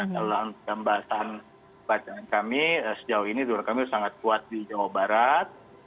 dalam gambaran bacaan kami sejauh ini ridwan kamil sangat kuat di jawa barat